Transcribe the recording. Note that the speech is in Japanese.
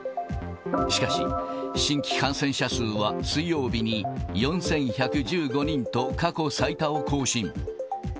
しかし、新規感染者数は水曜日に４１１５人と過去最多を更新。